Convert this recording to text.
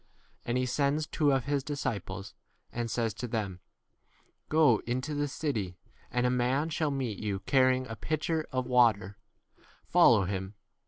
And he sends two of his disciples, and says to them, Go into the city, and a man shall meet you carrying a pitcher of 14 water ; follow him.